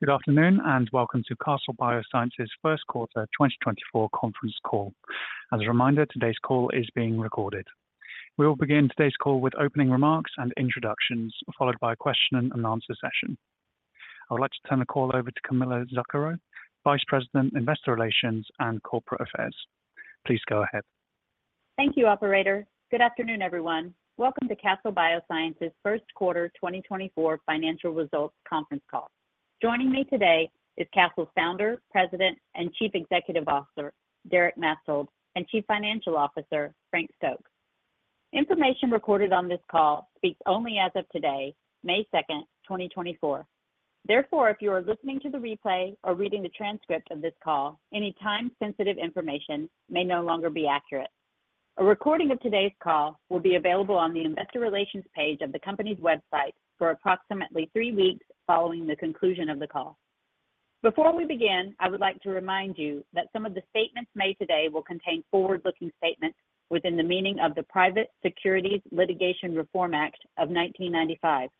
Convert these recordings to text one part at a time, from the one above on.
Good afternoon, and welcome to Castle Biosciences' Q1 2024 conference call. As a reminder, today's call is being recorded. We will begin today's call with opening remarks and introductions, followed by a question and answer session. I would like to turn the call over to Camilla Zuckero, Vice President, Investor Relations and Corporate Affairs. Please go ahead. Thank you, operator. Good afternoon, everyone. Welcome to Castle Biosciences' Q1 2024 financial results conference call. Joining me today is Castle's Founder, President, and Chief Executive Officer, Derek Maetzold, and Chief Financial Officer, Frank Stokes. Information recorded on this call speaks only as of today, May 2nd, 2024. Therefore, if you are listening to the replay or reading the transcript of this call, any time-sensitive information may no longer be accurate. A recording of today's call will be available on the investor relations page of the company's website for approximately three weeks following the conclusion of the call. Before we begin, I would like to remind you that some of the statements made today will contain forward-looking statements within the meaning of the Private Securities Litigation Reform Act of 1995.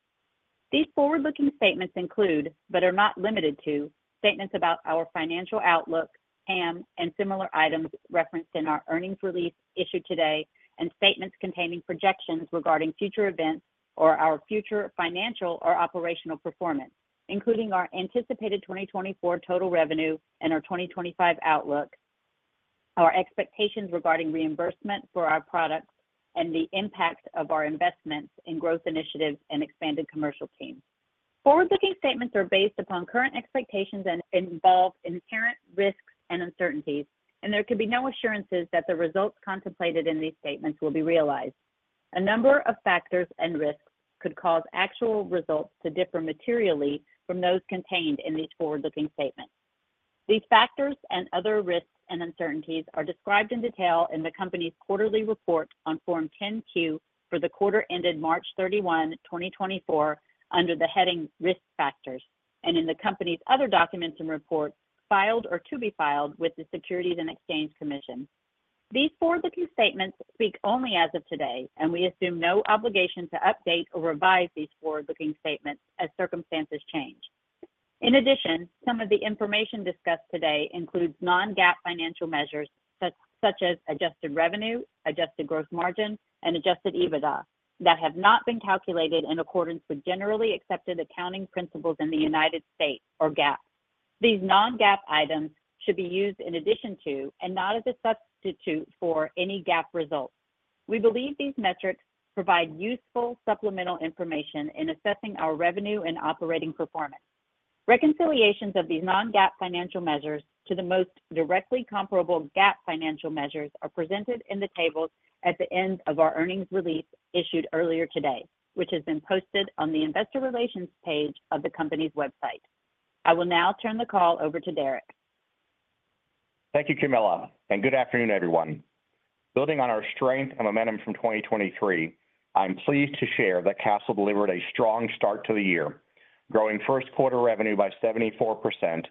These forward-looking statements include, but are not limited to, statements about our financial outlook, GAAP, and similar items referenced in our earnings release issued today, and statements containing projections regarding future events or our future financial or operational performance, including our anticipated 2024 total revenue and our 2025 outlook, our expectations regarding reimbursement for our products, and the impact of our investments in growth initiatives and expanded commercial teams. Forward-looking statements are based upon current expectations and involve inherent risks and uncertainties, and there can be no assurances that the results contemplated in these statements will be realized. A number of factors and risks could cause actual results to differ materially from those contained in these forward-looking statements. These factors and other risks and uncertainties are described in detail in the company's quarterly report on Form 10-Q for the quarter ended March 31, 2024, under the heading Risk Factors and in the company's other documents and reports filed or to be filed with the Securities and Exchange Commission. These forward-looking statements speak only as of today, and we assume no obligation to update or revise these forward-looking statements as circumstances change. In addition, some of the information discussed today includes non-GAAP financial measures, such as adjusted revenue, adjusted gross margin, and adjusted EBITDA, that have not been calculated in accordance with generally accepted accounting principles in the United States or GAAP. These non-GAAP items should be used in addition to, and not as a substitute for, any GAAP results. We believe these metrics provide useful supplemental information in assessing our revenue and operating performance. Reconciliations of these non-GAAP financial measures to the most directly comparable GAAP financial measures are presented in the tables at the end of our earnings release issued earlier today, which has been posted on the investor relations page of the company's website. I will now turn the call over to Derek. Thank you, Camilla, and good afternoon, everyone. Building on our strength and momentum from 2023, I'm pleased to share that Castle delivered a strong start to the year, growing Q1 revenue by 74%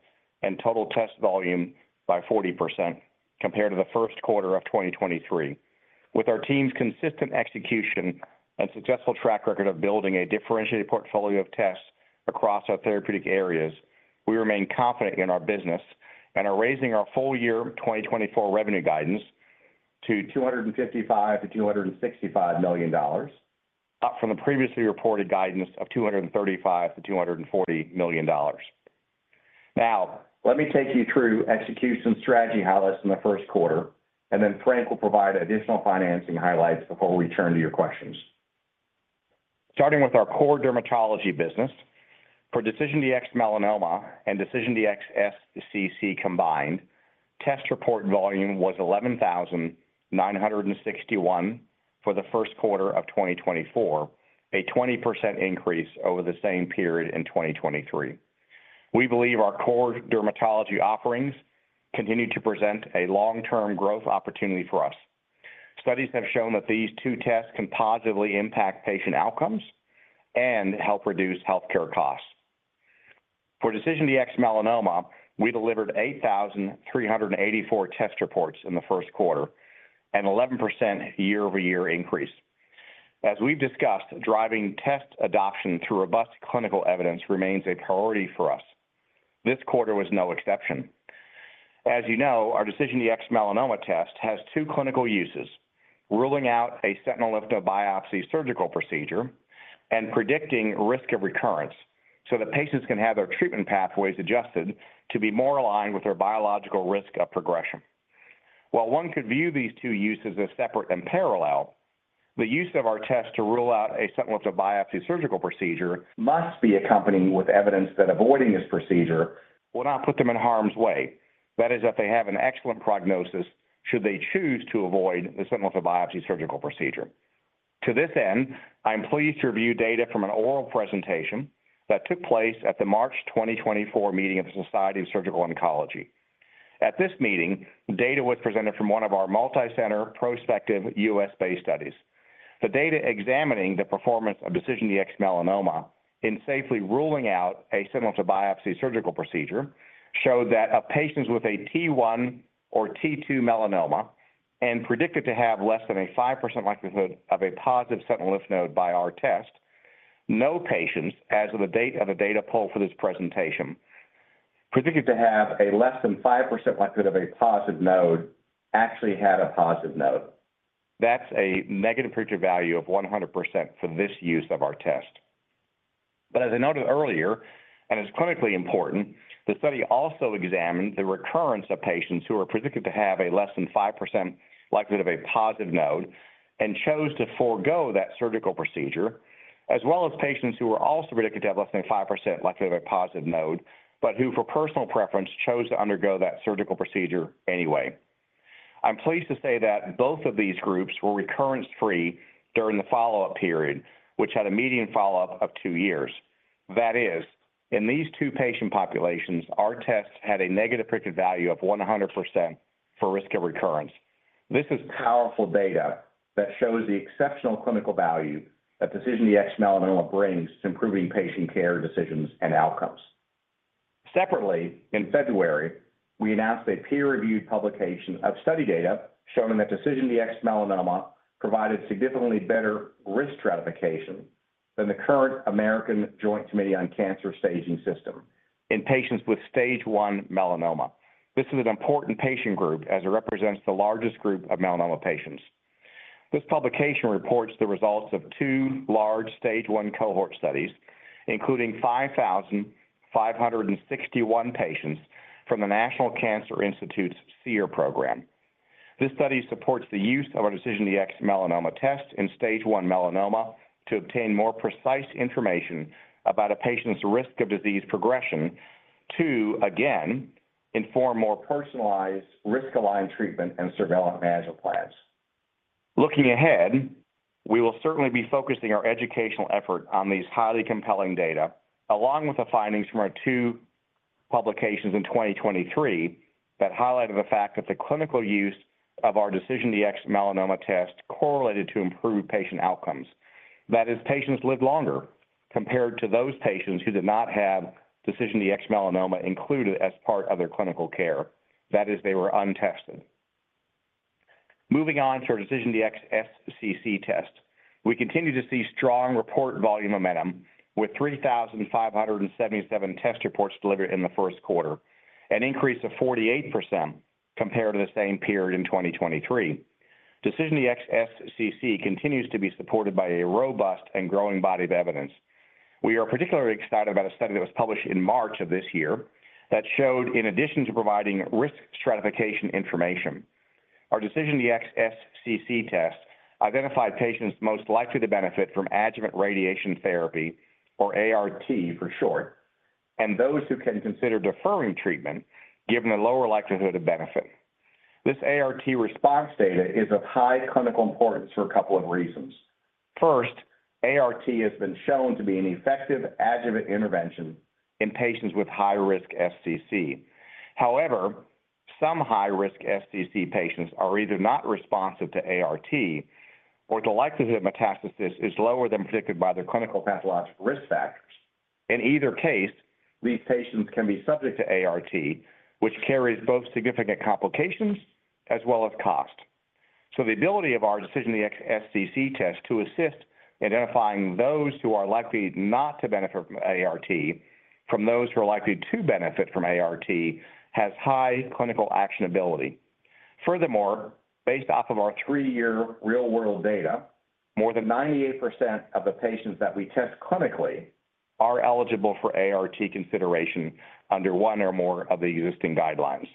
and total test volume by 40% compared to the Q1 of 2023. With our team's consistent execution and successful track record of building a differentiated portfolio of tests across our therapeutic areas, we remain confident in our business and are raising our full year 2024 revenue guidance to $255 million-$265 million, up from the previously reported guidance of $235 million-$240 million. Now, let me take you through execution strategy highlights in the Q1, and then Frank will provide additional financing highlights before we turn to your questions. Starting with our core dermatology business, for DecisionDx-Melanoma and DecisionDx-SCC combined, test report volume was 11,961 for the Q1 of 2024, a 20% increase over the same period in 2023. We believe our core dermatology offerings continue to present a long-term growth opportunity for us. Studies have shown that these two tests can positively impact patient outcomes and help reduce healthcare costs. For DecisionDx-Melanoma, we delivered 8,384 test reports in the Q1, an 11% year-over-year increase. As we've discussed, driving test adoption through robust clinical evidence remains a priority for us. This quarter was no exception. As you know, our DecisionDx-Melanoma test has two clinical uses: ruling out a sentinel lymph node biopsy surgical procedure and predicting risk of recurrence so that patients can have their treatment pathways adjusted to be more aligned with their biological risk of progression. While one could view these two uses as separate and parallel, the use of our test to rule out a sentinel lymph node biopsy surgical procedure must be accompanied with evidence that avoiding this procedure will not put them in harm's way, that is, if they have an excellent prognosis, should they choose to avoid the sentinel lymph node biopsy surgical procedure. To this end, I am pleased to review data from an oral presentation that took place at the March 2024 meeting of the Society of Surgical Oncology. At this meeting, data was presented from one of our multicenter prospective U.S.-based studies. The data examining the performance of DecisionDx-Melanoma in safely ruling out a sentinel node biopsy surgical procedure showed that of patients with a T1 or T2 melanoma and predicted to have less than a 5% likelihood of a positive sentinel lymph node by our test, no patients, as of the date of the data pull for this presentation, predicted to have a less than 5% likelihood of a positive node, actually had a positive node. That's a negative predictive value of 100% for this use of our test. But as I noted earlier, and it's clinically important, the study also examined the recurrence of patients who were predicted to have a less than 5% likelihood of a positive node and chose to forego that surgical procedure, as well as patients who were also predicted to have less than a 5% likelihood of a positive node, but who, for personal preference, chose to undergo that surgical procedure anyway. I'm pleased to say that both of these groups were recurrence-free during the follow-up period, which had a median follow-up of two years. That is, in these two patient populations, our test had a negative predictive value of 100% for risk of recurrence. This is powerful data that shows the exceptional clinical value that DecisionDx-Melanoma brings to improving patient care, decisions, and outcomes. Separately, in February, we announced a peer-reviewed publication of study data showing that DecisionDx-Melanoma provided significantly better risk stratification than the current American Joint Committee on Cancer Staging System in patients with stage one melanoma. This is an important patient group as it represents the largest group of melanoma patients. This publication reports the results of two large stage one cohort studies, including 5,561 patients from the National Cancer Institute's SEER program. This study supports the use of our DecisionDx-Melanoma test in stage one melanoma to obtain more precise information about a patient's risk of disease progression to, again, inform more personalized risk-aligned treatment and surveillance management plans. Looking ahead, we will certainly be focusing our educational effort on these highly compelling data, along with the findings from our two publications in 2023 that highlighted the fact that the clinical use of our DecisionDx-Melanoma test correlated to improved patient outcomes. That is, patients lived longer compared to those patients who did not have DecisionDx-Melanoma included as part of their clinical care. That is, they were untested. Moving on to our DecisionDx-SCC test. We continue to see strong report volume momentum with 3,577 test reports delivered in the Q1, an increase of 48% compared to the same period in 2023. DecisionDx-SCC continues to be supported by a robust and growing body of evidence. We are particularly excited about a study that was published in March of this year that showed, in addition to providing risk stratification information, our DecisionDx-SCC test identified patients most likely to benefit from adjuvant radiation therapy, or ART for short, and those who can consider deferring treatment given the lower likelihood of benefit. This ART response data is of high clinical importance for a couple of reasons. First, ART has been shown to be an effective adjuvant intervention in patients with high-risk SCC. However, some high-risk SCC patients are either not responsive to ART or the likelihood of metastasis is lower than predicted by their clinical pathologic risk factors. In either case, these patients can be subject to ART, which carries both significant complications as well as cost. So the ability of our DecisionDx-SCC test to assist in identifying those who are likely not to benefit from ART, from those who are likely to benefit from ART, has high clinical actionability. Furthermore, based off of our three-year real-world data, more than 98% of the patients that we test clinically are eligible for ART consideration under one or more of the existing guidelines.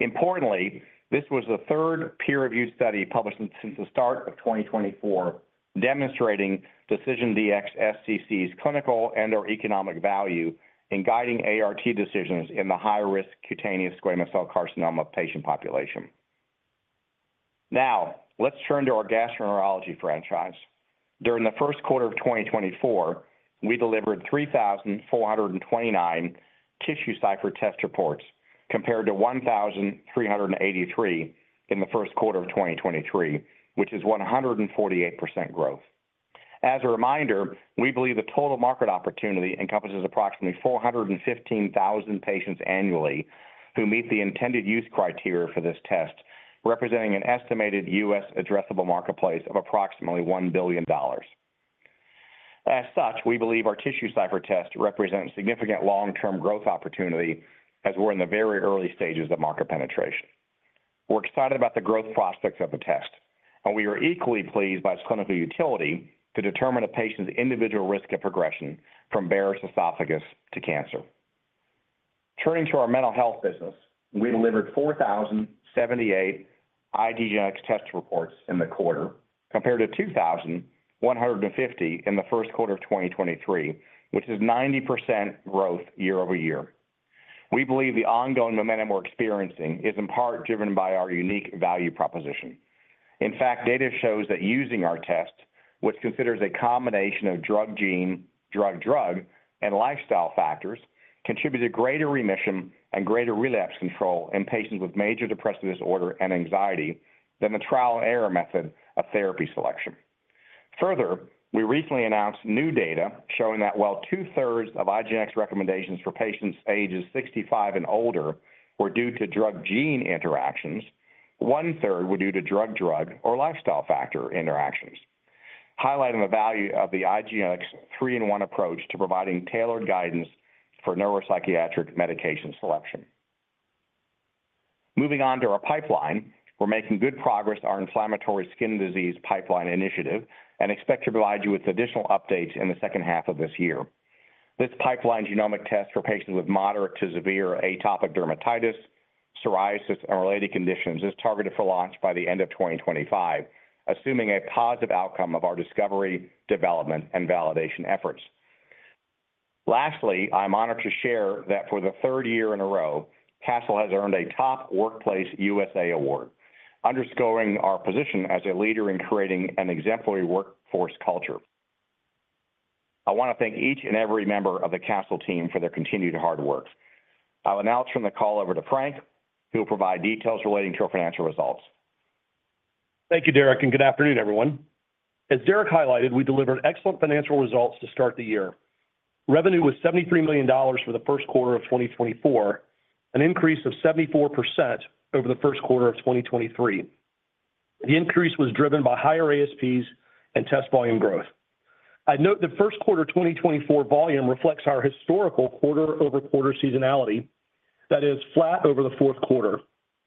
Importantly, this was the third peer-reviewed study published since the start of 2024, demonstrating DecisionDx-SCC's clinical and/or economic value in guiding ART decisions in the high-risk cutaneous squamous cell carcinoma patient population. Now, let's turn to our gastroenterology franchise. During the Q1 of 2024, we delivered 3,429 TissueCypher test reports, compared to 1,383 in the Q1 of 2023, which is 148% growth. As a reminder, we believe the total market opportunity encompasses approximately 415,000 patients annually who meet the intended use criteria for this test, representing an estimated U.S. addressable marketplace of approximately $1 billion. As such, we believe our TissueCypher test represents significant long-term growth opportunity as we're in the very early stages of market penetration. We're excited about the growth prospects of the test, and we are equally pleased by its clinical utility to determine a patient's individual risk of progression from Barrett's esophagus to cancer. Turning to our mental health business, we delivered 4,078 IDgenetix test reports in the quarter, compared to 2,150 in the Q1 of 2023, which is 90% growth year-over-year. We believe the ongoing momentum we're experiencing is in part driven by our unique value proposition. In fact, data shows that using our test, which considers a combination of drug-gene, drug-drug, and lifestyle factors, contributed greater remission and greater relapse control in patients with major depressive disorder and anxiety than the trial-and-error method of therapy selection. Further, we recently announced new data showing that while two-thirds of IDgenetix recommendations for patients ages 65 and older were due to drug-gene interactions, one-third were due to drug-drug or lifestyle factor interactions, highlighting the value of the IDgenetix three-in-one approach to providing tailored guidance for neuropsychiatric medication selection. Moving on to our pipeline, we're making good progress on our inflammatory skin disease pipeline initiative and expect to provide you with additional updates in the second half of this year. This pipeline genomic test for patients with moderate to severe atopic dermatitis, psoriasis, and related conditions, is targeted for launch by the end of 2025, assuming a positive outcome of our discovery, development, and validation efforts. Lastly, I'm honored to share that for the third year in a row, Castle has earned a Top Workplace USA award, underscoring our position as a leader in creating an exemplary workforce culture. I want to thank each and every member of the Castle team for their continued hard work. I'll now turn the call over to Frank, who will provide details relating to our financial results. Thank you, Derek, and good afternoon, everyone. As Derek highlighted, we delivered excellent financial results to start the year. Revenue was $73 million for the Q1 of 2024, an increase of 74% over the Q1 of 2023. The increase was driven by higher ASPs and test volume growth. I'd note the Q1 2024 volume reflects our historical quarter-over-quarter seasonality that is flat over the Q4.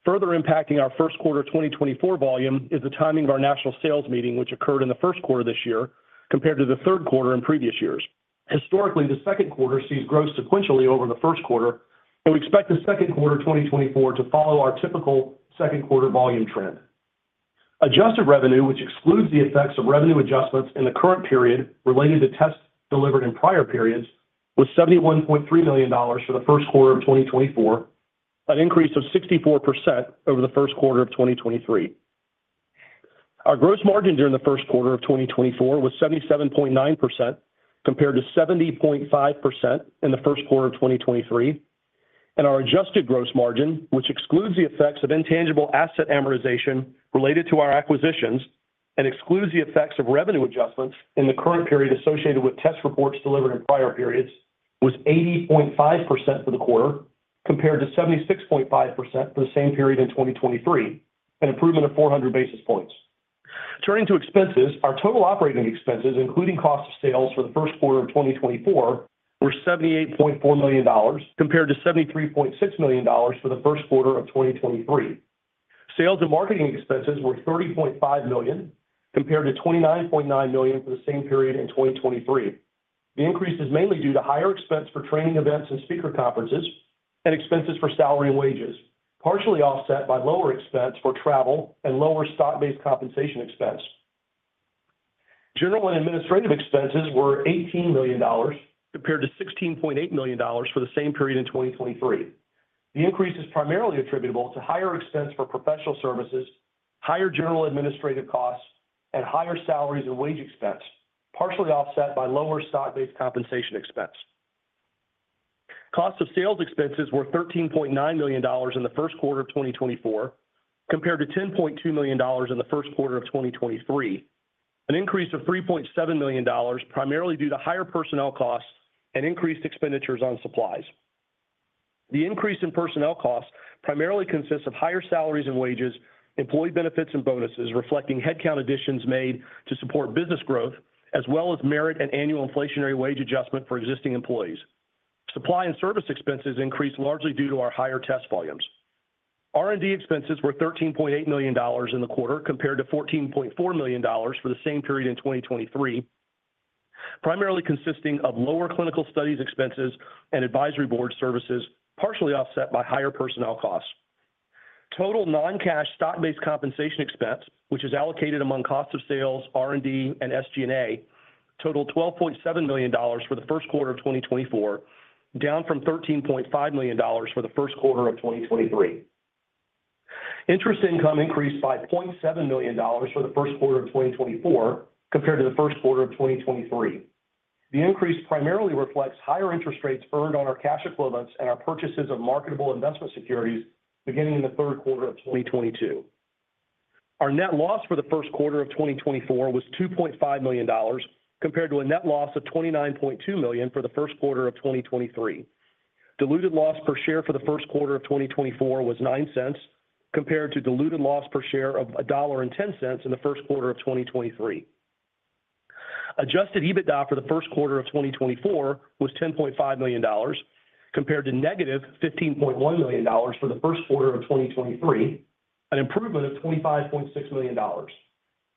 Further impacting our Q1 2024 volume is the timing of our national sales meeting, which occurred in the Q1 this year compared to the Q3 in previous years. Historically, the Q2 sees growth sequentially over the Q1, and we expect the Q2 of 2024 to follow our typical Q2 volume trend. Adjusted revenue, which excludes the effects of revenue adjustments in the current period related to tests delivered in prior periods, was $71.3 million for the Q1 of 2024, an increase of 64% over the Q1 of 2023. Our gross margin during the Q1 of 2024 was 77.9%, compared to 70.5% in the Q1 of 2023. Our adjusted gross margin, which excludes the effects of intangible asset amortization related to our acquisitions and excludes the effects of revenue adjustments in the current period associated with test reports delivered in prior periods, was 80.5% for the quarter, compared to 76.5% for the same period in 2023, an improvement of 400 basis points. Turning to expenses, our total operating expenses, including cost of sales for the Q1 of 2024, were $78.4 million, compared to $73.6 million for the Q1 of 2023. Sales and marketing expenses were $30.5 million, compared to $29.9 million for the same period in 2023. The increase is mainly due to higher expense for training events and speaker conferences and expenses for salary and wages, partially offset by lower expense for travel and lower stock-based compensation expense. General and administrative expenses were $18 million, compared to $16.8 million for the same period in 2023. The increase is primarily attributable to higher expense for professional services, higher general administrative costs, and higher salaries and wage expense, partially offset by lower stock-based compensation expense. Cost of sales expenses were $13.9 million in the Q1 of 2024, compared to $10.2 million in the Q1 of 2023, an increase of $3.7 million, primarily due to higher personnel costs and increased expenditures on supplies. The increase in personnel costs primarily consists of higher salaries and wages, employee benefits and bonuses, reflecting headcount additions made to support business growth, as well as merit and annual inflationary wage adjustment for existing employees. Supply and service expenses increased largely due to our higher test volumes. R&D expenses were $13.8 million in the quarter, compared to $14.4 million for the same period in 2023, primarily consisting of lower clinical studies expenses and advisory board services, partially offset by higher personnel costs. Total non-cash stock-based compensation expense, which is allocated among cost of sales, R&D, and SG&A, totaled $12.7 million for the Q1 of 2024, down from $13.5 million for the Q1 of 2023. Interest income increased by $0.7 million for the Q1 of 2024 compared to the Q1 of 2023. The increase primarily reflects higher interest rates earned on our cash equivalents and our purchases of marketable investment securities beginning in the Q3 of 2022. Our net loss for the Q1 of 2024 was $2.5 million, compared to a net loss of $29.2 million for the Q1 of 2023. Diluted loss per share for the Q1 of 2024 was $0.09, compared to diluted loss per share of $1.10 in the Q1 of 2023. Adjusted EBITDA for the Q1 of 2024 was $10.5 million, compared to -$15.1 million for the Q1 of 2023, an improvement of $25.6 million.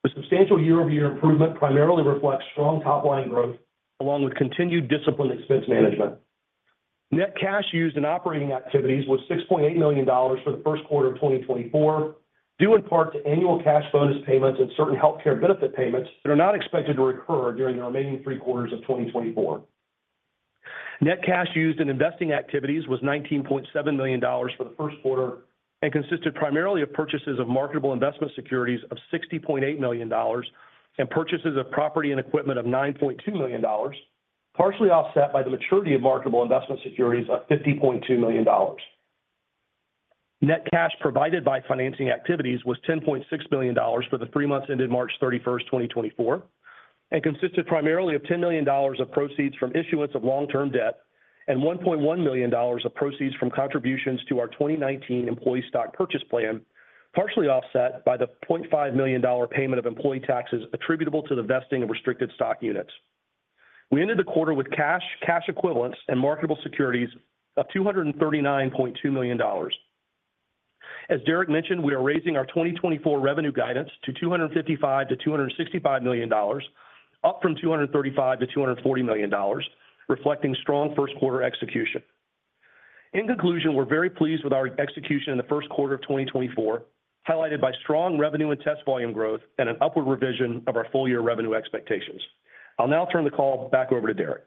The substantial year-over-year improvement primarily reflects strong top-line growth along with continued disciplined expense management. Net cash used in operating activities was $6.8 million for the Q1 of 2024, due in part to annual cash bonus payments and certain healthcare benefit payments that are not expected to recur during the remaining three quarters of 2024. Net cash used in investing activities was $19.7 million for the Q1 and consisted primarily of purchases of marketable investment securities of $60.8 million and purchases of property and equipment of $9.2 million, partially offset by the maturity of marketable investment securities of $50.2 million. Net cash provided by financing activities was $10.6 billion for the three months ended March 31, 2024, and consisted primarily of $10 million of proceeds from issuance of long-term debt and $1.1 million of proceeds from contributions to our 2019 employee stock purchase plan, partially offset by the $0.5 million dollar payment of employee taxes attributable to the vesting of restricted stock units. We ended the quarter with cash, cash equivalents, and marketable securities of $239.2 million. As Derek mentioned, we are raising our 2024 revenue guidance to $255 million-$265 million, up from $235 million-$240 million, reflecting strong Q1 execution. In conclusion, we're very pleased with our execution in the Q1 of 2024, highlighted by strong revenue and test volume growth and an upward revision of our full year revenue expectations. I'll now turn the call back over to Derek.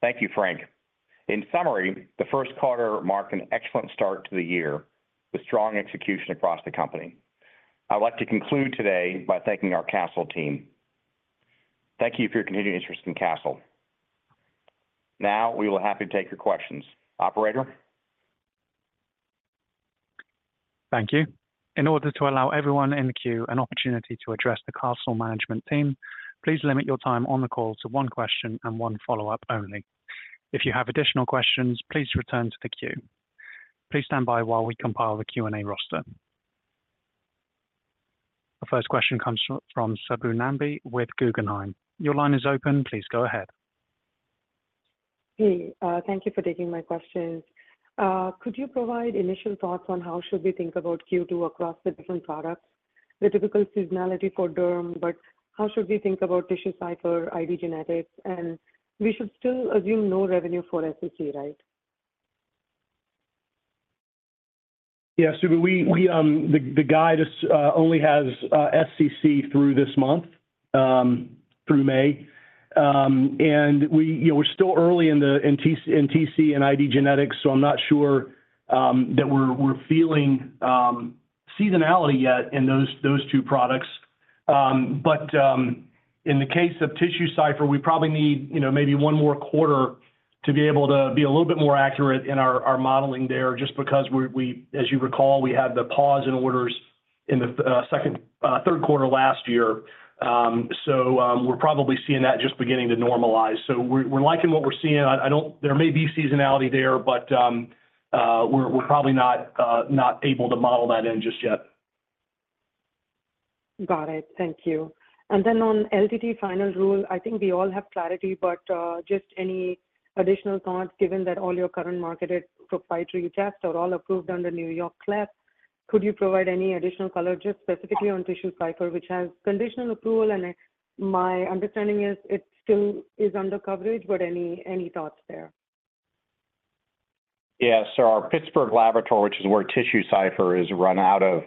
Thank you, Frank. In summary, the Q1 marked an excellent start to the year with strong execution across the company. I'd like to conclude today by thanking our Castle team. Thank you for your continued interest in Castle. Now, we will be happy to take your questions. Operator? Thank you. In order to allow everyone in the queue an opportunity to address the Castle management team, please limit your time on the call to one question and one follow-up only. If you have additional questions, please return to the queue. Please stand by while we compile the Q&A roster. The first question comes from Subbu Nambi with Guggenheim. Your line is open. Please go ahead. Hey, thank you for taking my questions. Could you provide initial thoughts on how should we think about Q2 across the different products, the typical seasonality for Derm, but how should we think about TissueCypher, IDgenetix, and we should still assume no revenue for SCC, right? Yeah, Subbu, we... The guide only has seq through this month, through May. And we, you know, we're still early in TC and IDgenetix, so I'm not sure that we're feeling seasonality yet in those two products. But in the case of TissueCypher, we probably need, you know, maybe one more quarter to be able to be a little bit more accurate in our modeling there, just because we—as you recall, we had the pause in orders in the second, Q3 last year. So we're probably seeing that just beginning to normalize. So we're liking what we're seeing. I don't—There may be seasonality there, but we're probably not able to model that in just yet. Got it. Thank you. And then on LDT final rule, I think we all have clarity, but just any additional thoughts, given that all your current marketed proprietary tests are all approved under New York CLIA, could you provide any additional color, just specifically on TissueCypher, which has conditional approval, and my understanding is it still is under coverage, but any thoughts there? Yeah. So our Pittsburgh laboratory, which is where TissueCypher is run out of,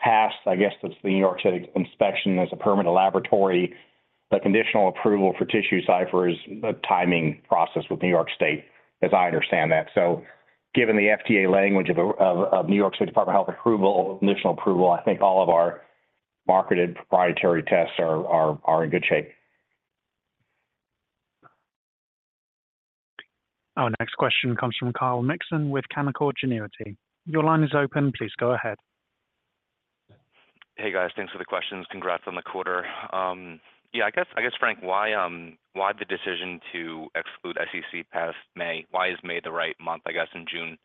passed. I guess that's the New York State inspection as a permanent laboratory. The conditional approval for TissueCypher is a timing process with New York State, as I understand that. So given the FDA language of New York State Department of Health approval, initial approval, I think all of our marketed proprietary tests are in good shape. Our next question comes from Kyle Mixon with Canaccord Genuity. Your line is open. Please go ahead. Hey, guys. Thanks for the questions. Congrats on the quarter. Yeah, I guess, I guess, Frank, why, why the decision to exclude SCC past May? Why is May the right month, I guess, in June,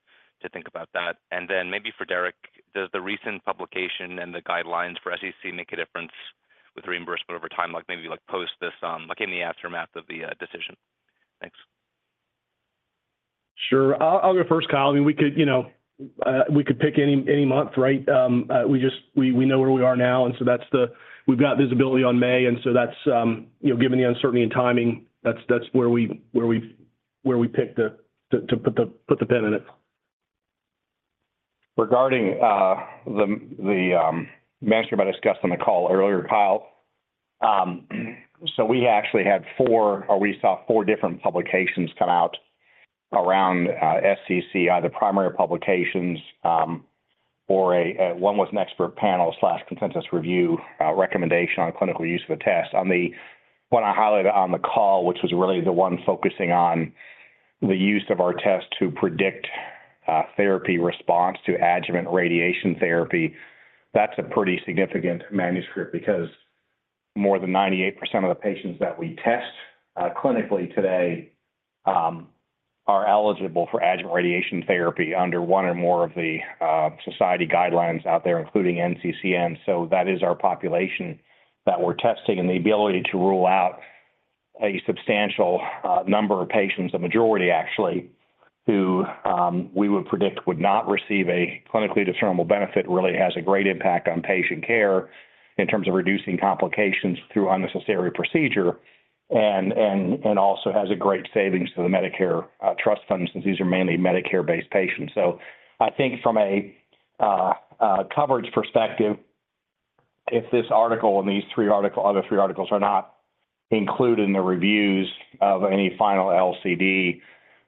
to think about that? And then maybe for Derek, does the recent publication and the guidelines for SCC make a difference with reimbursement over time? Like, maybe like post this, like in the aftermath of the decision. Thanks. Sure. I'll go first, Kyle. I mean, we could, you know, we could pick any month, right? We know where we are now, and so that's the... We've got visibility on May, and so that's, you know, given the uncertainty and timing, that's where we picked to put the pin in it. Regarding the manuscript I discussed on the call earlier, Kyle, so we actually had four, or we saw four different publications come out around SCC, either primary publications or one was an expert panel/consensus review recommendation on clinical use of a test. On what I highlighted on the call, which was really the one focusing on the use of our test to predict therapy response to adjuvant radiation therapy. That's a pretty significant manuscript because more than 98% of the patients that we test clinically today are eligible for adjuvant radiation therapy under one or more of the society guidelines out there, including NCCN. So that is our population that we're testing, and the ability to rule out a substantial number of patients, a majority actually, who we would predict would not receive a clinically determinable benefit, really has a great impact on patient care in terms of reducing complications through unnecessary procedure and also has a great savings to the Medicare Trust Fund, since these are mainly Medicare-based patients. So I think from a coverage perspective, if this article and these other three articles are not included in the reviews of any final LCD,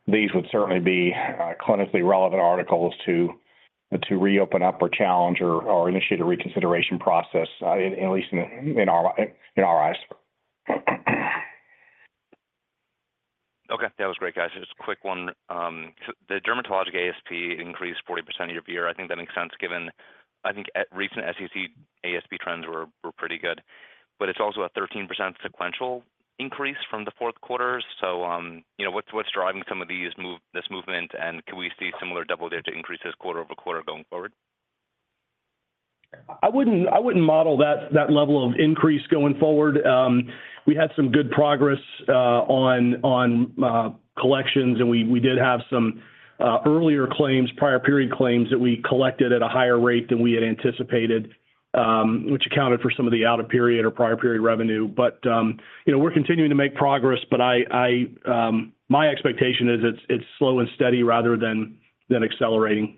these would certainly be clinically relevant articles to reopen up or challenge or initiate a reconsideration process, at least in our eyes. Okay, that was great, guys. Just a quick one. The dermatologic ASP increased 40% year-over-year. I think that makes sense given, I think, recent SEC ASP trends were pretty good. But it's also a 13% sequential increase from the Q4. So, you know, what's driving some of this movement, and can we see similar double-digit increases quarter-over-quarter going forward? I wouldn't model that level of increase going forward. We had some good progress on collections, and we did have some earlier claims, prior period claims, that we collected at a higher rate than we had anticipated, which accounted for some of the out-of-period or prior period revenue. But you know, we're continuing to make progress, but my expectation is it's slow and steady rather than accelerating.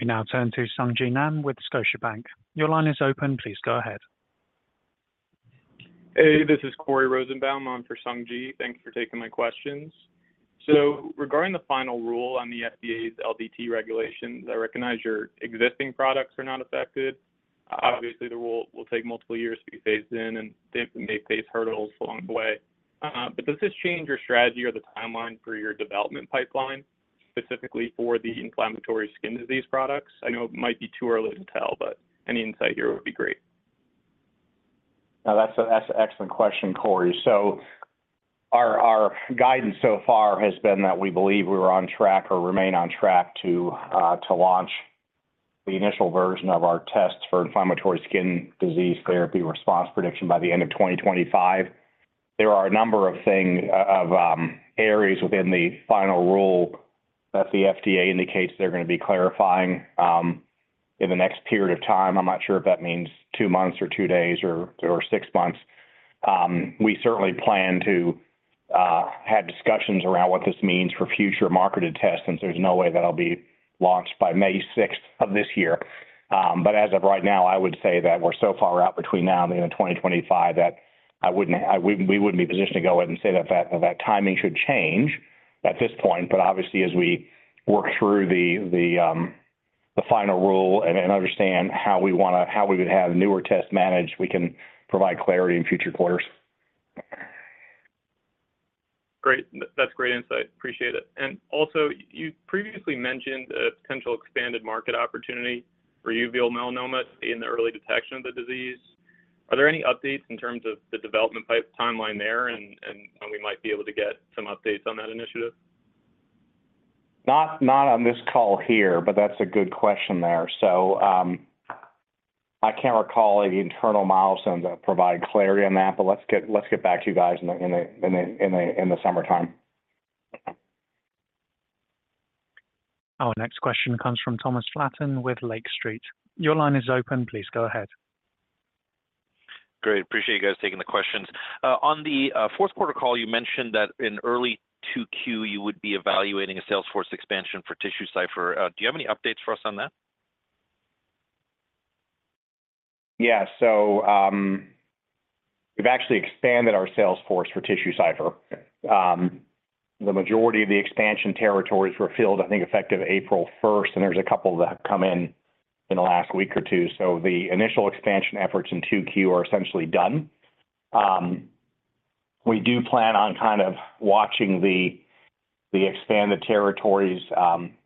We now turn to Sung Ji Nan with Scotiabank. Your line is open. Please go ahead. Hey, this is Corey Rosenbaum. I'm for Sung Ji. Thanks for taking my questions. So regarding the final rule on the FDA's LDT regulations, I recognize your existing products are not affected. Obviously, the rule will take multiple years to be phased in and they may face hurdles along the way. But does this change your strategy or the timeline for your development pipeline, specifically for the inflammatory skin disease products? I know it might be too early to tell, but any insight here would be great. Now, that's an excellent question, Corey. So our guidance so far has been that we believe we were on track or remain on track to launch the initial version of our tests for inflammatory skin disease therapy response prediction by the end of 2025. There are a number of things, areas within the final rule that the FDA indicates they're going to be clarifying in the next period of time. I'm not sure if that means 2 months or 2 days or six months. We certainly plan to have discussions around what this means for future marketed tests, since there's no way that'll be launched by May 6th of this year. But as of right now, I would say that we're so far out between now and the end of 2025, that we wouldn't be positioned to go ahead and say that that timing should change at this point. But obviously, as we work through the final rule and understand how we would have newer tests managed, we can provide clarity in future quarters. Great. That's great insight. Appreciate it. Also, you previously mentioned a potential expanded market opportunity for uveal melanoma in the early detection of the disease. Are there any updates in terms of the development pipeline timeline there and when we might be able to get some updates on that initiative? Not on this call here, but that's a good question there. So, I can't recall any internal milestones that provide clarity on that, but let's get back to you guys in the summertime. Our next question comes from Thomas Flaten with Lake Street. Your line is open. Please go ahead. Great. Appreciate you guys taking the questions. On the Q4 call, you mentioned that in early 2Q, you would be evaluating a sales force expansion for TissueCypher. Do you have any updates for us on that? Yeah. So, we've actually expanded our sales force for TissueCypher. The majority of the expansion territories were filled, I think, effective April first, and there's a couple that have come in, in the last week or two. So the initial expansion efforts in 2Q are essentially done. We do plan on kind of watching the expanded territories,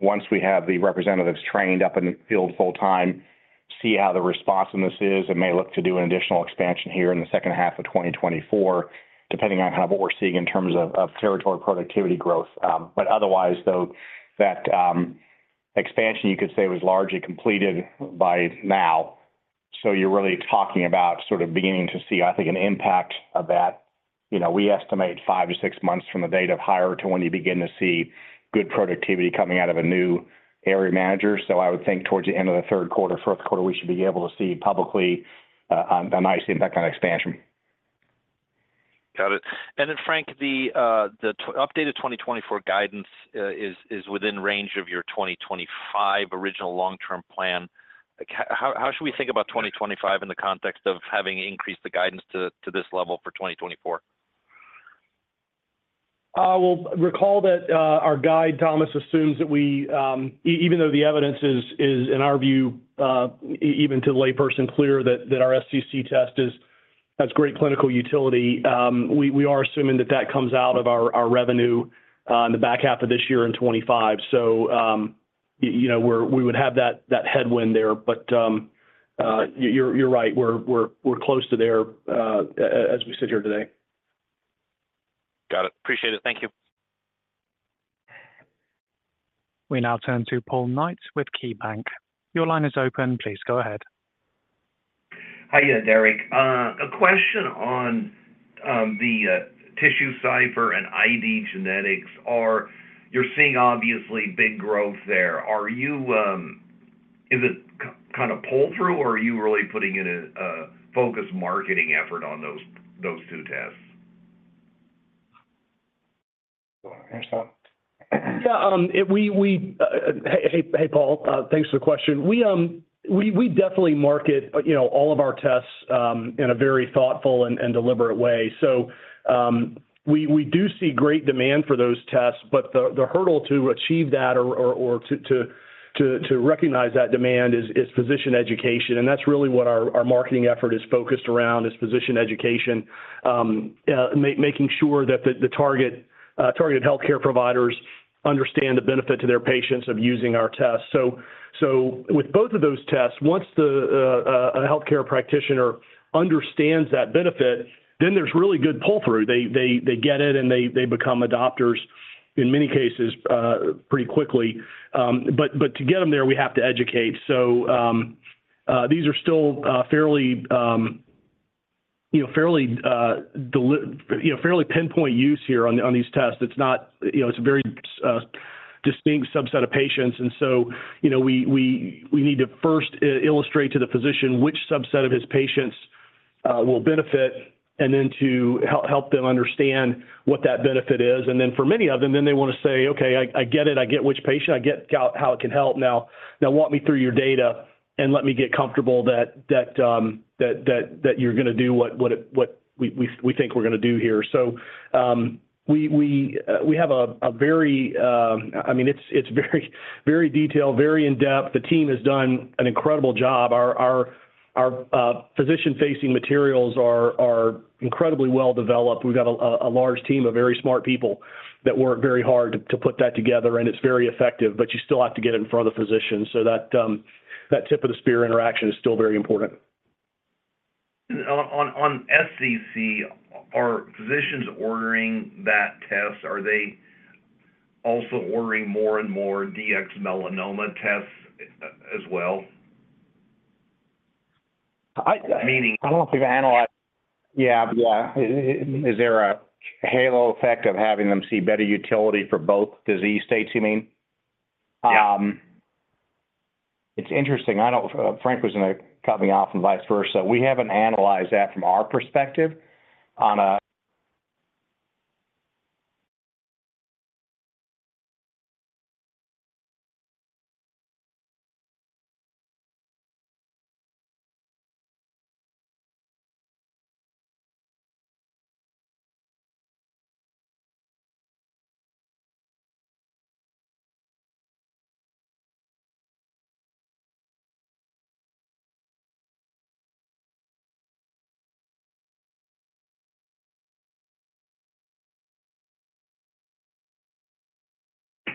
once we have the representatives trained up in the field full time, see how the responsiveness is, and may look to do an additional expansion here in the second half of 2024, depending on kind of what we're seeing in terms of territory productivity growth. But otherwise, though, that expansion, you could say, was largely completed by now. So you're really talking about sort of beginning to see, I think, an impact of that. You know, we estimate 5-6 months from the date of hire to when you begin to see good productivity coming out of a new area manager. So I would think towards the end of the Q3, Q4, we should be able to see publicly a nice impact on expansion. Got it. And then, Frank, the updated 2024 guidance is within range of your 2025 original long-term plan. Like, how should we think about 2025 in the context of having increased the guidance to this level for 2024? Well, recall that our guide, Thomas, assumes that we even though the evidence is, in our view, even to the layperson, clear that our SCC test is has great clinical utility, we are assuming that that comes out of our revenue in the back half of this year in 2025. So, you know, we would have that headwind there. But, you're right. We're close to there, as we sit here today. Got it. Appreciate it. Thank you. We now turn to Paul Knight with Keybanc. Your line is open. Please go ahead. Hi, Derek. A question on the TissueCypher and IDgenetix. You're seeing obviously big growth there. Are you? Is it kind of pull through, or are you really putting in a focused marketing effort on those two tests? Yeah... Hey, Paul. Thanks for the question. We definitely market, you know, all of our tests in a very thoughtful and deliberate way. So, we do see great demand for those tests, but the hurdle to achieve that or to recognize that demand is physician education. And that's really what our marketing effort is focused around, is physician education. Making sure that the targeted healthcare providers-... understand the benefit to their patients of using our tests. So, with both of those tests, once a healthcare practitioner understands that benefit, then there's really good pull-through. They get it, and they become adopters in many cases, pretty quickly. But to get them there, we have to educate. So, these are still fairly, you know, fairly pinpoint use here on the, on these tests. It's not... You know, it's a very distinct subset of patients. And so, you know, we need to first illustrate to the physician which subset of his patients will benefit, and then to help them understand what that benefit is. And then for many of them, then they want to say, "Okay, I get it. I get which patient, I get how it can help. Now walk me through your data and let me get comfortable that you're gonna do what we think we're gonna do here. So, we have a very... I mean, it's very very detailed, very in-depth. The team has done an incredible job. Our physician-facing materials are incredibly well developed. We've got a large team of very smart people that work very hard to put that together, and it's very effective. But you still have to get it in front of the physicians, so that tip-of-the-spear interaction is still very important. On SCC, are physicians ordering that test, are they also ordering more and more DX melanoma tests as well? I- Meaning- I don't know if we've analyzed... Yeah, yeah. Is there a halo effect of having them see better utility for both disease states, you mean? Yeah. It's interesting. I don't... Frank was gonna coming off and vice versa. We haven't analyzed that from our perspective on a-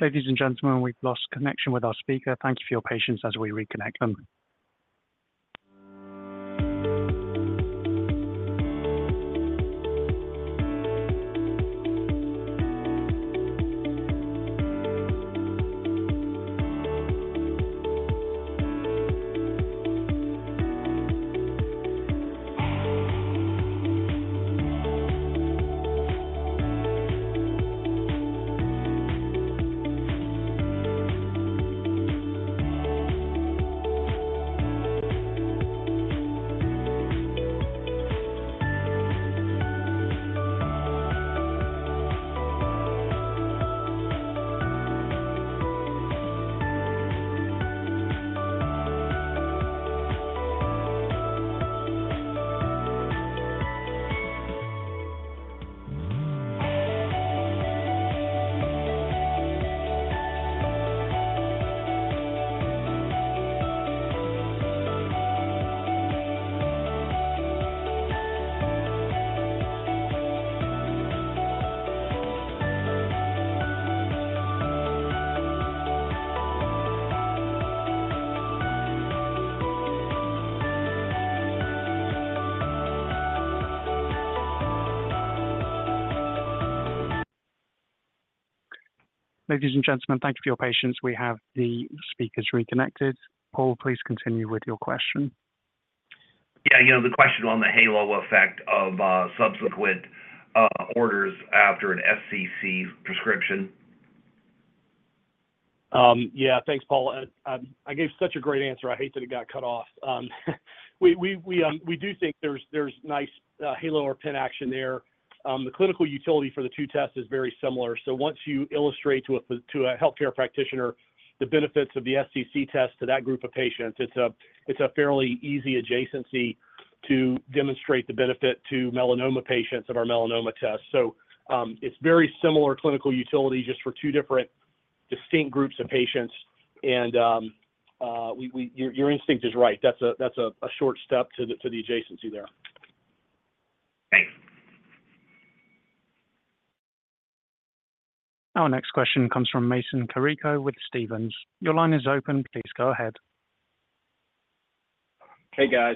Ladies and gentlemen, we've lost connection with our speaker. Thank you for your patience as we reconnect them. Ladies and gentlemen, thank you for your patience. We have the speakers reconnected. Paul, please continue with your question. Yeah, you know, the question on the halo effect of subsequent orders after an SCC prescription. Yeah, thanks, Paul. I gave such a great answer. I hate that it got cut off. We do think there's nice halo or pin action there. The clinical utility for the two tests is very similar. So once you illustrate to a healthcare practitioner the benefits of the SCC test to that group of patients, it's a fairly easy adjacency to demonstrate the benefit to melanoma patients of our melanoma test. So, it's very similar clinical utility, just for two different distinct groups of patients. Your instinct is right. That's a short step to the adjacency there. Thanks. Our next question comes from Mason Carrico with Stephens. Your line is open. Please go ahead. Hey, guys.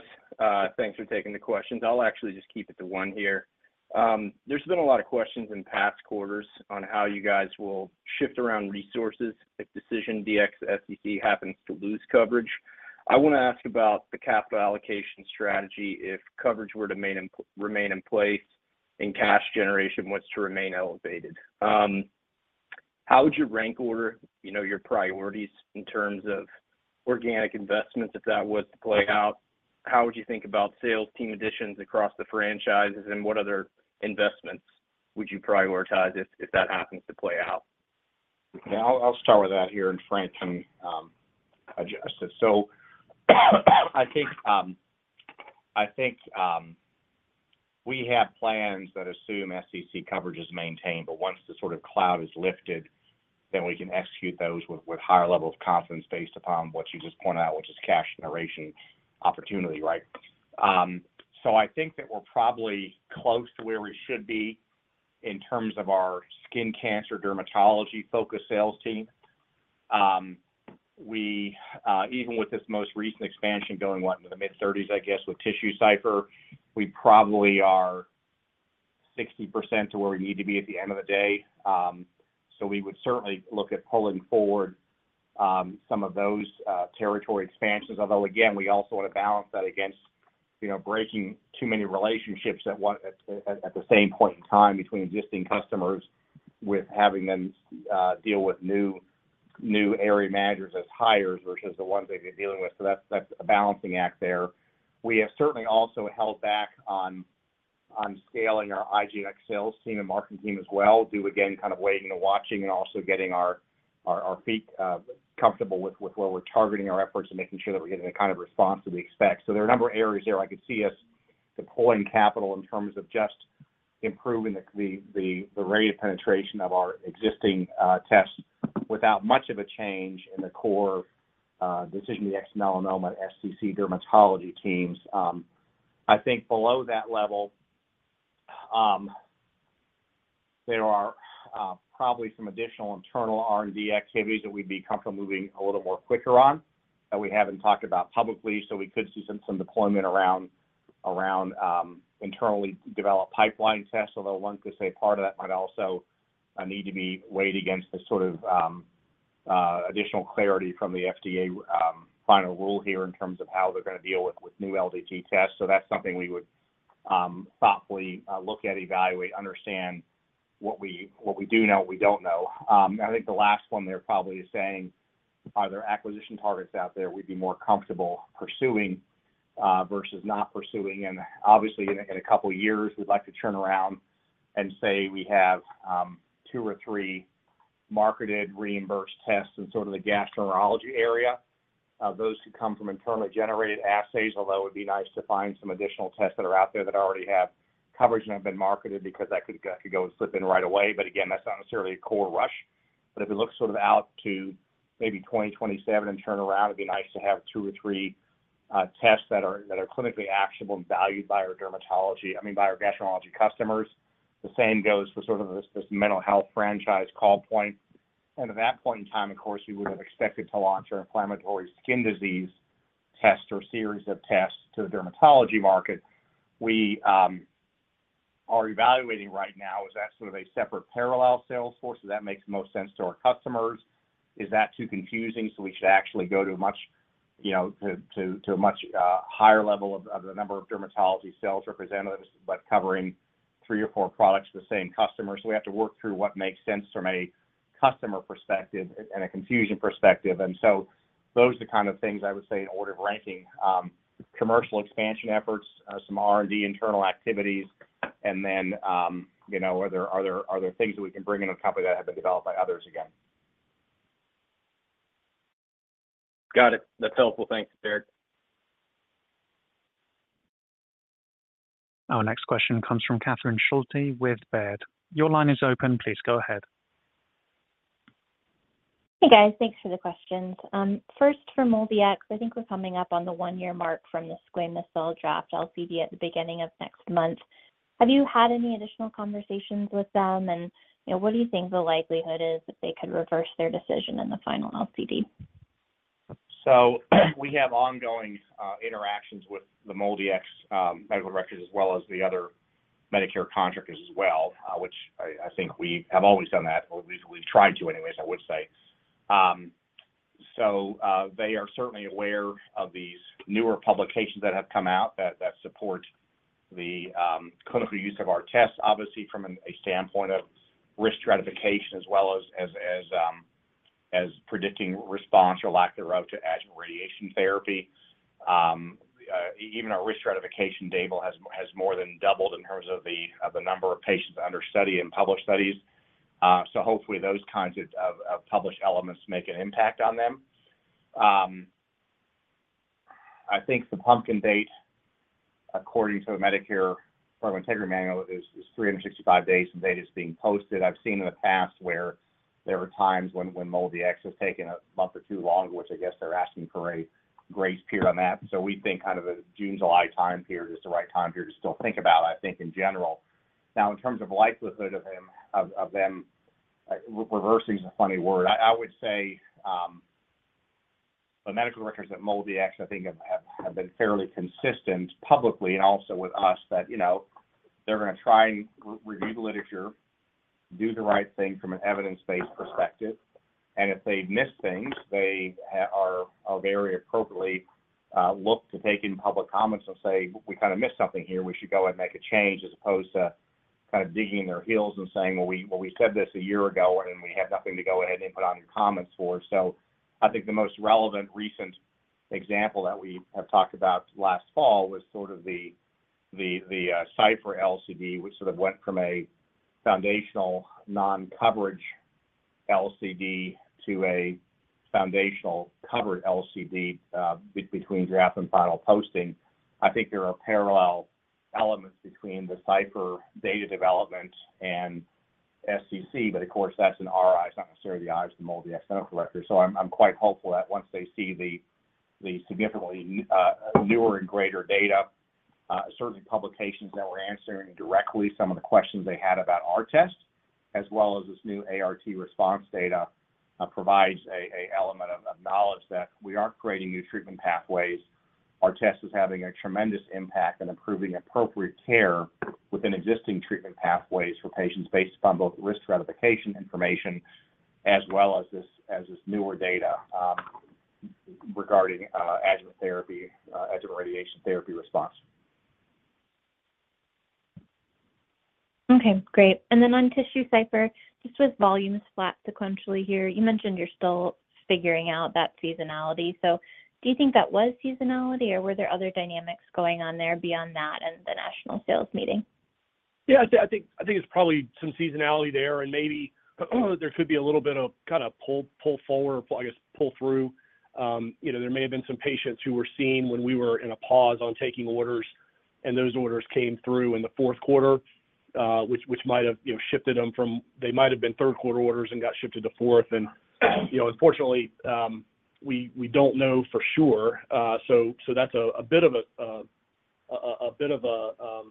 Thanks for taking the questions. I'll actually just keep it to one here. There's been a lot of questions in past quarters on how you guys will shift around resources if DecisionDx-SCC happens to lose coverage. I want to ask about the capital allocation strategy if coverage were to remain in place and cash generation was to remain elevated. How would you rank order, you know, your priorities in terms of organic investments, if that was to play out? How would you think about sales team additions across the franchises, and what other investments would you prioritize if that happens to play out? Yeah, I'll, I'll start with that here, and Frank can adjust it. So, I think, I think, we have plans that assume SCC coverage is maintained, but once the sort of cloud is lifted, then we can execute those with, with higher level of confidence based upon what you just pointed out, which is cash generation opportunity, right? So I think that we're probably close to where we should be in terms of our skin cancer dermatology-focused sales team. We, even with this most recent expansion going, what? Into the mid-30s, I guess, with TissueCypher, we probably are 60% to where we need to be at the end of the day. So we would certainly look at pulling forward some of those territory expansions. Although, again, we also want to balance that against, you know, breaking too many relationships at one, at the same point in time between existing customers, with having them deal with new area managers as hires versus the ones they've been dealing with. So that's a balancing act there. We have certainly also held back on scaling our IGX sales team and marketing team as well, due, again, kind of waiting and watching and also getting our feet comfortable with where we're targeting our efforts and making sure that we're getting the kind of response that we expect. So there are a number of areas there I could see us deploying capital in terms of just improving the rate of penetration of our existing tests, without much of a change in the core DecisionDx-Melanoma, SCC dermatology teams. I think below that level, there are probably some additional internal R&D activities that we'd be comfortable moving a little more quicker on, that we haven't talked about publicly. So we could see some deployment around internally developed pipeline tests, although one could say part of that might also need to be weighed against the sort of additional clarity from the FDA final rule here, in terms of how they're gonna deal with new LDT tests. So that's something we would thoughtfully look at, evaluate, understand what we, what we do know, what we don't know. I think the last one there probably is saying, are there acquisition targets out there we'd be more comfortable pursuing, versus not pursuing? And obviously, in a couple years, we'd like to turn around and say we have two or three marketed, reimbursed tests in sort of the gastroenterology area. Those who come from internally generated assays, although it would be nice to find some additional tests that are out there that already have coverage and have been marketed, because that could go and slip in right away. But again, that's not necessarily a core rush. But if we look sort of out to maybe 2027 and turn around, it'd be nice to have two or three tests that are, that are clinically actionable and valued by our dermatology... I mean, by our gastroenterology customers. The same goes for sort of this, this mental health franchise call point. And at that point in time, of course, we would have expected to launch our inflammatory skin disease test or series of tests to the dermatology market. We are evaluating right now, is that sort of a separate parallel sales force? Does that make the most sense to our customers? Is that too confusing, so we should actually go to a much, you know, to, to, to a much higher level of, of the number of dermatology sales representatives, but covering three or four products to the same customer? So we have to work through what makes sense from a customer perspective and a confusion perspective. And so those are the kind of things I would say in order of ranking, commercial expansion efforts, some R&D internal activities, and then, you know, are there things that we can bring in a company that have been developed by others again? Got it. That's helpful. Thanks, Derek. Our next question comes from Catherine Schulte with Baird. Your line is open. Please go ahead. Hey, guys. Thanks for the questions. First for MolDX, I think we're coming up on the one-year mark from the squamous cell draft LCD at the beginning of next month. Have you had any additional conversations with them? And, you know, what do you think the likelihood is that they could reverse their decision in the final LCD? So, we have ongoing interactions with the MolDX medical directors, as well as the other Medicare contractors as well, which I think we have always done that, or at least we've tried to anyways, I would say. So, they are certainly aware of these newer publications that have come out that support the clinical use of our tests, obviously from a standpoint of risk stratification, as well as predicting response or lack thereof to adjuvant radiation therapy. Even our risk stratification table has more than doubled in terms of the number of patients under study in published studies. So hopefully, those kinds of published elements make an impact on them. I think the publication date, according to the Medicare Provider Integrity Manual, is 365 days from the date it's being posted. I've seen in the past where there were times when MolDX has taken a month or two longer, which I guess they're asking for a grace period on that. So we think kind of a June, July time period is the right time period to still think about, I think, in general. Now, in terms of likelihood of them reversing is a funny word. I would say the medical directors at MolDX, I think, have been fairly consistent publicly and also with us, that, you know, they're gonna try and review the literature, do the right thing from an evidence-based perspective. And if they miss things, they are very appropriately look to take in public comments and say, "We kinda missed something here. We should go and make a change," as opposed to kind of digging their heels and saying, "Well, we said this a year ago, and we have nothing to go ahead and input on your comments for." So I think the most relevant recent example that we have talked about last fall was sort of the TissueCypher LCD, which sort of went from a foundational non-coverage LCD to a foundational covered LCD between draft and final posting. I think there are parallel elements between the TissueCypher data development and the SCC, but of course, that's an RI. It's not necessarily the eyes from all the external directors. So I'm quite hopeful that once they see the significantly newer and greater data, certainly publications that were answering directly some of the questions they had about our test, as well as this new ART response data, provides a element of knowledge that we are creating new treatment pathways. Our test is having a tremendous impact in improving appropriate care within existing treatment pathways for patients based upon both risk stratification information as well as this newer data regarding adjuvant therapy, adjuvant radiation therapy response. Okay, great. And then on TissueCypher, just with volume is flat sequentially here, you mentioned you're still figuring out that seasonality. So do you think that was seasonality, or were there other dynamics going on there beyond that and the national sales meeting? Yeah, I think it's probably some seasonality there, and maybe there could be a little bit of pull forward, I guess, pull through. You know, there may have been some patients who were seen when we were in a pause on taking orders, and those orders came through in the Q4, which might have, you know, shifted them from... They might have been Q3 orders and got shifted to fourth. And, you know, unfortunately, we don't know for sure. So that's a bit of a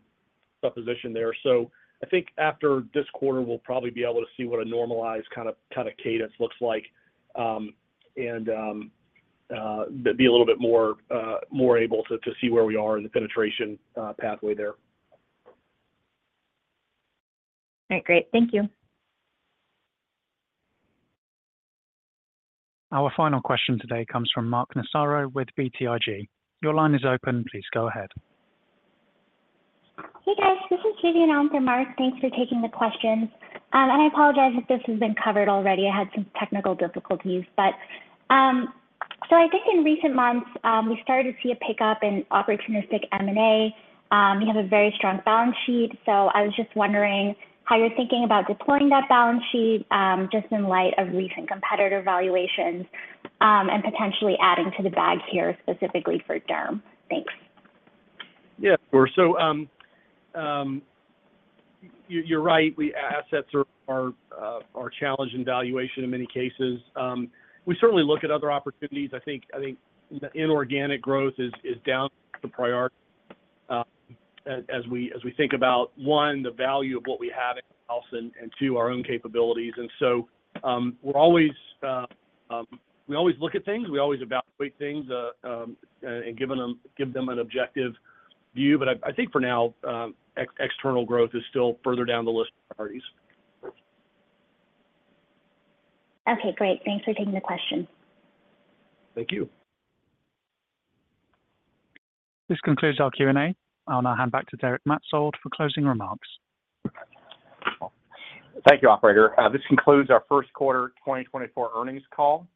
supposition there. So I think after this quarter, we'll probably be able to see what a normalized kind of cadence looks like, and be a little bit more able to see where we are in the penetration pathway there. All right, great. Thank you. Our final question today comes from Mark Massaro with BTIG. Your line is open. Please go ahead. Hey, guys, this is Katie, and also Mark. Thanks for taking the questions. I apologize if this has been covered already. I had some technical difficulties. But, so I think in recent months, we started to see a pickup in opportunistic M&A. You have a very strong balance sheet, so I was just wondering how you're thinking about deploying that balance sheet, just in light of recent competitor valuations, and potentially adding to the bag here specifically for Derm. Thanks. Yeah, of course. So, you're right, our assets are challenged in valuation in many cases. We certainly look at other opportunities. I think the inorganic growth is down to priority, as we think about, one, the value of what we have in-house and two, our own capabilities. And so, we always look at things, we always evaluate things, and give them an objective view. But I think for now, external growth is still further down the list of priorities. Okay, great. Thanks for taking the question. Thank you. This concludes our Q&A. I'll now hand back to Derek Maetzold for closing remarks. Thank you, operator. This concludes our Q1 2024 earnings call.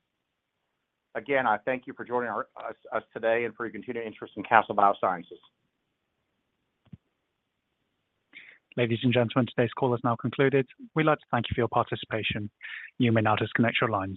Again, I thank you for joining us today and for your continued interest in Castle Biosciences. Ladies and gentlemen, today's call is now concluded. We'd like to thank you for your participation. You may now disconnect your lines.